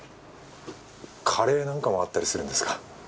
カレーなんかもあったりするんですか？